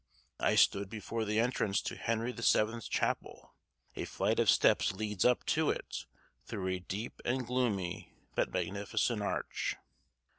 I stood before the entrance to Henry the Seventh's chapel. A flight of steps leads up to it through a deep and gloomy but magnificent arch.